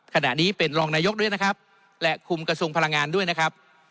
ขณะนี้เป็นรองนายกด้วยนะครับและคุมกระทรวงพลังงานด้วยนะครับ